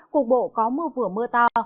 cuộc bộ có mưa vừa mưa to